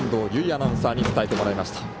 アナウンサーに伝えてもらいました。